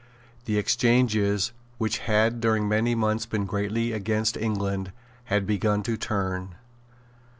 The exchanges, which had during many months been greatly against England, had begun to turn.